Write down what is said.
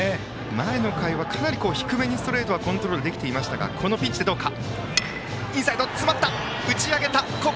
前の回はかなり低めにストレートはコントロールできていましたがこのピンチはどうか。